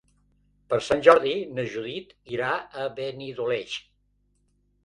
Per Sant Jordi na Judit irà a Benidoleig.